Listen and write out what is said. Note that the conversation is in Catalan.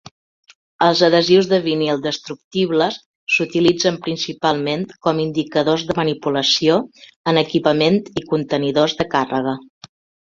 Els adhesius de vinil destructibles s'utilitzen principalment com indicadors de manipulació en equipament i contenidors de càrrega.